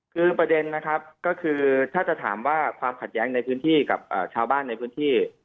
คือประเด็นนะครับก็คือถ้าจะถามว่าความขัดแย้งในพื้นที่กับชาวบ้านในพื้นที่